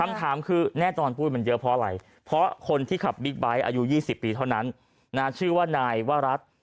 คำถามคือแน่นอนปุ้ยมันเยอะเพราะอะไรเพราะคนที่ขับบิ๊กไบท์อายุ๒๐ปีเท่านั้นชื่อว่านายวรัฐ